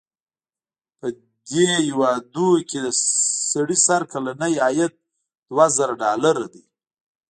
په دې هېوادونو کې د سړي سر کلنی عاید دوه زره ډالره دی.